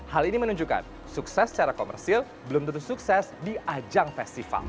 hal ini menunjukkan sukses secara komersil belum tentu sukses di ajang festival